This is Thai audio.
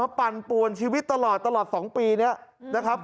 ปั่นปวนชีวิตตลอดตลอด๒ปีนี้นะครับ